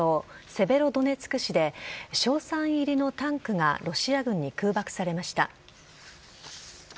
セベロドネツク市で硝酸入りのタンクがロシア軍に空爆されました。